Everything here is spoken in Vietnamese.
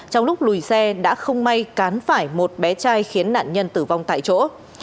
trong lúc lùi xe đã không may cán phải một bé trai khiến nạn nhân tử vong tại chỗ